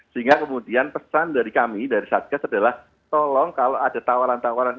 sehingga kemudian pesan dari kami dari satgas adalah tolong kalau ada tawaran tawaran